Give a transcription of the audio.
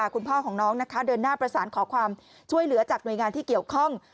คุณพ่อของน้องนะคะเดินหน้าประสานขอความช่วยเหลือจากหน่วยงานที่เกี่ยวข้อง